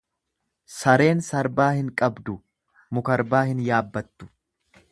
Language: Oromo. Sareen Sarbaa hin qabdu Mukarbaa hin yaabbattu